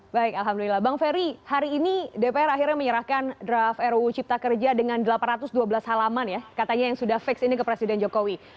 baik alhamdulillah bang ferry hari ini dpr akhirnya menyerahkan draft ruu cipta kerja dengan delapan ratus dua belas halaman ya katanya yang sudah fix ini ke presiden jokowi